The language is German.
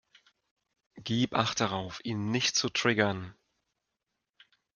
Gib Acht darauf, ihn nicht zu triggern.